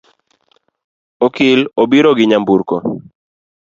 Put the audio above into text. Okil obiro gi nyamburko